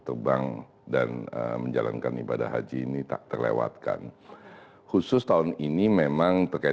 terbang dan menjalankan ibadah haji ini tak terlewatkan khusus tahun ini memang terkait